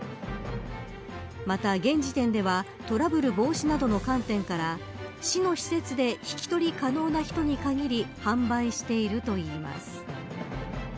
また現時点ではトラブル防止などの観点から市の施設で引き取り可能な人に限り販売しているといいます。